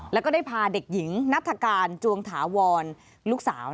แล้วก็ได้พาเด็กหญิงนัฐกาลจวงถาวรลูกสาว